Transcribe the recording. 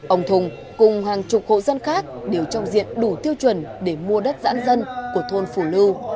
ông thùng cùng hàng chục hộ dân khác đều trong diện đủ tiêu chuẩn để mua đất dãn dân của thôn phủ lưu